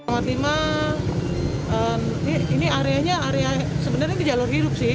ini areanya sebenarnya di jalur hidup sih